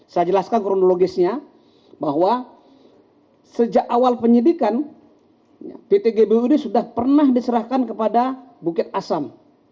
saya jelaskan kronologisnya bahwa sejak awal penyidikan pt gbu ini sudah pernah diserahkan kepada bukit asam